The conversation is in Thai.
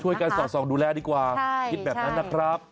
การสอดส่องดูแลดีกว่าคิดแบบนั้นนะครับ